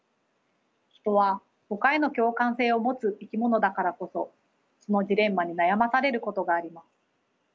人はほかへの共感性を持つ生き物だからこそそのジレンマに悩まされることがあります。